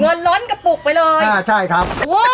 ล้นกระปุกไปเลยอ่าใช่ครับ